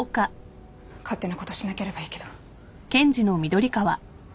勝手なことしなければいいけど。